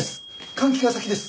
換気が先です。